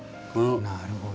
なるほど。